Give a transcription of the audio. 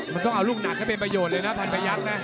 มันต้องเอาลูกหนักให้เป็นประโยชน์เลยนะพันพยักษ์นะ